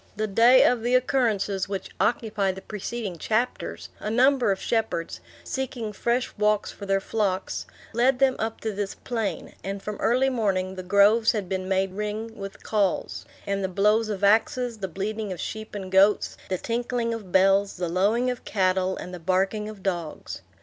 The day of the occurrences which occupy the preceding chapters, a number of shepherds, seeking fresh walks for their flocks, led them up to this plain; and from early morning the groves had been made ring with calls, and the blows of axes, the bleating of sheep and goats, the tinkling of bells, the lowing of cattle, and the barking of dogs.